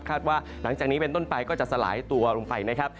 ว่าหลังจากนี้เป็นต้นไปก็จะสลายตัวลงไปนะครับ